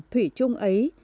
thủy trung ấy